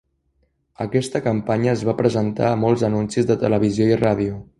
Aquesta campanya es va presentar a molts anuncis de televisió i ràdio.